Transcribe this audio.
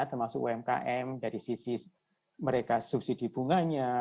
termasuk umkm dari sisi mereka subsidi bunganya